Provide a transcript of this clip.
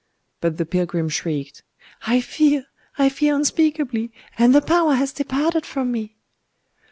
But the pilgrim shrieked,—"I fear! I fear unspeakably!—and the power has departed from me!"